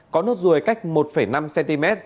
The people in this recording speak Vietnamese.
có nốt ruồi cách một năm cm